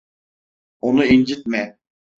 Onu incitme.